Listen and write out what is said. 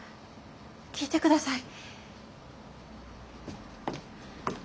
聴いてください。